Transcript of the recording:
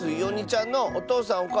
おにちゃんのおとうさん